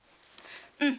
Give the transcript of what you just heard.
うん。